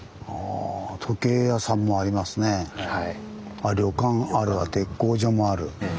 あ旅館あるわ鉄工所もある。